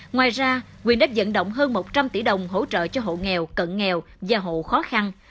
ngoài ra quyền đã dẫn động hơn một trăm linh tỷ đồng hỗ trợ cho hộ nghèo cận nghèo và hộ khó khăn